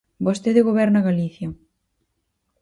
Vostede goberna Galicia.